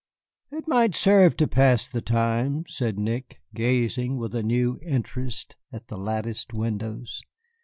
"It might serve to pass the time," said Nick, gazing with a new interest at the latticed windows.